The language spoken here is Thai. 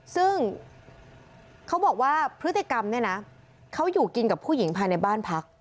ซึ่งเขาบอกว่าพฤติกรรมเนี่ยนะเขาอยู่กินกับผู้หญิงภายในบ้านพัก